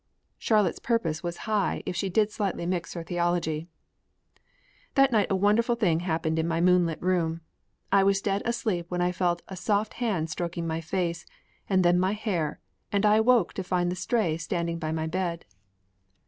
Charlotte's purpose was high if she did slightly mix her theology. That night a wonderful thing happened in my moonlit room. I was dead asleep when I felt a soft hand stroking my face, and then my hair, and I awoke to find the Stray standing by my bed.